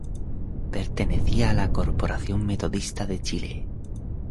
Pertenecía a la Corporación Metodista de Chile.